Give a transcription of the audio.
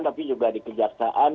tapi juga di kejaksaan